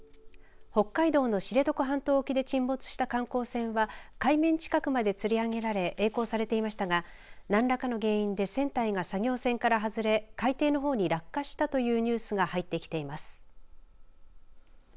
北海道の知床半島沖で沈没した観光船は海面近くまでつり上げられえい航されていましたが何らかの原因で船体が作業船から外れ海底のほうに落下したというニュースが入ってきています。